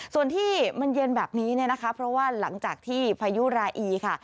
ส่วนที่มันเย็นแบบนี้เนี่ยนะคะเพราะว่าหลังจากที่พายุราอีค่ะ